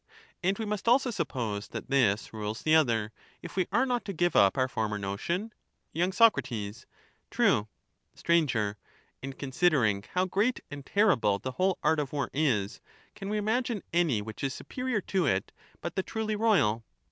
And we must also suppose that this rules the other, if 305 we are not to give up our former notion ? y. Soc. True. Sir. And, considering how great and terrible the whole art of war is, can we imagine any which is superior to it but the truly royal